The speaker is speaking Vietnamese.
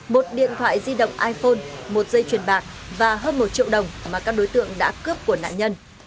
một điện thoại di động iphone một dây chuyền bạc và hơn một triệu đồng mà các đối tượng đã cướp của nạn nhân